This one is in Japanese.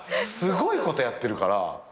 すごいことやってるから。